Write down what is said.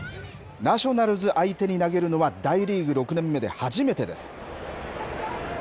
ナショナルズ相手に投げるのは、大リーグ６年目で初めてです。